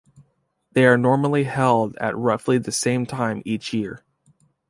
They are normally held at roughly the same time each year.